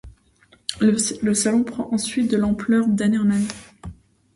Le salon prend ensuite de l'ampleur d'année en année.